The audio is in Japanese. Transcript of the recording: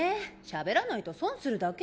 しゃべらないと損するだけよ？